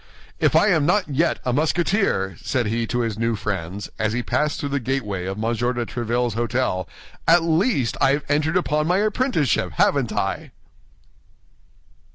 "If I am not yet a Musketeer," said he to his new friends, as he passed through the gateway of M. de Tréville's hôtel, "at least I have entered upon my apprenticeship, haven't I?"